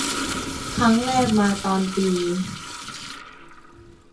ครั้งแรกมาตอนปี